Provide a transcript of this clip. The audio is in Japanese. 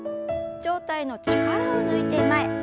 上体の力を抜いて前。